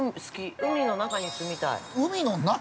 ◆海の中に住みたい？